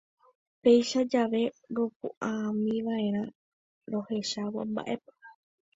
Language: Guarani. Péicha jave ropu'ãmiva'erã rohechávo mba'épa.